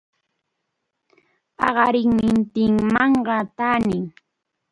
Paqariqnintinmanqa thani.